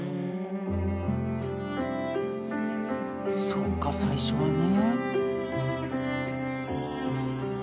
そっか最初はね。